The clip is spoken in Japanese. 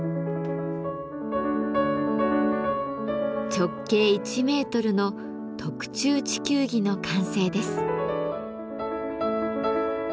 直径１メートルの特注地球儀の完成です。